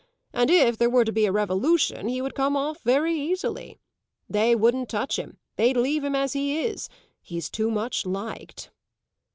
And if there were to be a revolution he would come off very easily. They wouldn't touch him, they'd leave him as he is: he's too much liked."